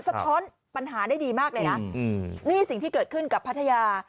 สะท้อนปัญหาได้ดีมากเลยนะนี่สิ่งที่เกิดขึ้นกับพัทยา